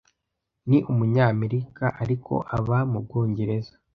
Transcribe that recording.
Ni Umunyamerika, ariko aba mu Bwongereza.